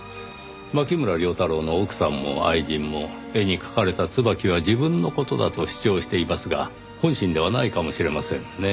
牧村遼太郎の奥さんも愛人も絵に描かれた椿は自分の事だと主張していますが本心ではないかもしれませんねぇ。